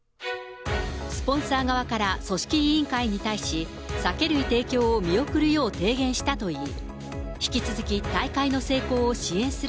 スポンサー側から組織委員会に対し、酒類提供を見送るよう提言したという。